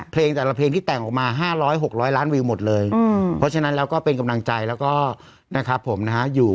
เพลงแต่ละเพลงที่แต่งออกมา๕๐๐๖๐๐ล้านวิวหมดเลยเพราะฉะนั้นแล้วก็เป็นกำลังใจแล้วก็นะครับผมนะฮะอยู่